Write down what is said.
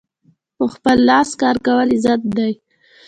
په خپل لاس کار کول عزت دی.